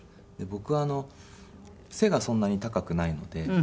僕背がそんなに高くないので。